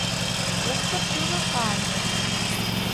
Доктыр шӱлыкаҥе: